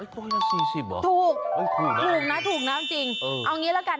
๔๐บาทเหรอถูกถูกนะถูกนะจริงเอาอย่างนี้แล้วกัน